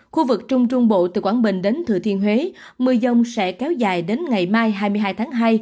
khu vực trung trung bộ từ quảng bình đến thừa thiên huế mưa dông sẽ kéo dài đến ngày mai hai mươi hai tháng hai